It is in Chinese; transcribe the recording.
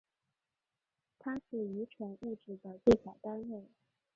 它是遗传物质的最小单位。